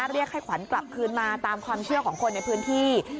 เรียกให้ขวัญกลับคืนมาตามความเชื่อของคนในพื้นที่